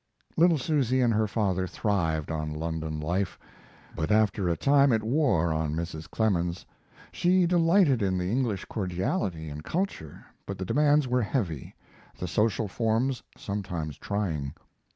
Little Susy and her father thrived on London life, but after a time it wore on Mrs. Clemens. She delighted in the English cordiality and culture, but the demands were heavy, the social forms sometimes trying.